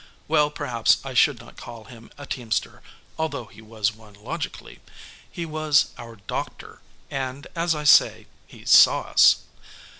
Well, perhaps I should not call him a teamster (although he was one logically): he was our doctor, and, as I say, he saw us.